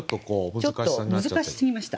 ちょっと難しすぎました。